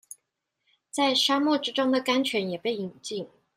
在沙漠之中的甘泉也被飲盡